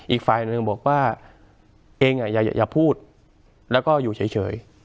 อีกฝ่ายหนึ่งบอกว่าเองอย่าพูดแล้วก็อยู่เฉย